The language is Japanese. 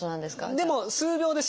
でも数秒です。